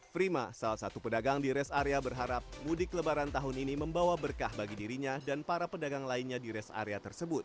prima salah satu pedagang di rest area berharap mudik lebaran tahun ini membawa berkah bagi dirinya dan para pedagang lainnya di rest area tersebut